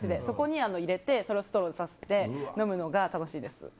そこに入れてストローをさして飲むのが楽しいです。